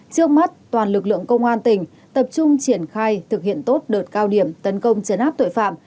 trước mắt toàn lực lượng công an tỉnh tập trung triển khai thực hiện tốt đợt cao điểm tấn công chấn áp tội phạm